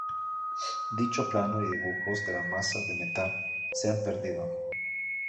Dicho plano y dibujos de la masa de metal, se han perdido.